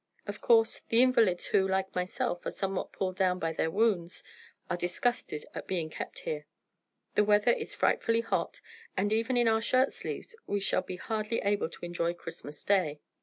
Of course, the invalids who, like myself, are somewhat pulled down by their wounds, are disgusted at being kept here. The weather is frightfully hot, and even in our shirt sleeves we shall be hardly able to enjoy Christmas day."